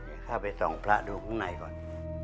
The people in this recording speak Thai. เดี๋ยวเข้าไปส่องพระดูข้างในก่อน